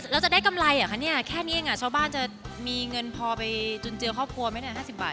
แล้วจะได้กำไรเหรอคะเนี่ยแค่นี้เองชาวบ้านจะมีเงินพอไปจุนเจือครอบครัวไม่ได้๕๐บาท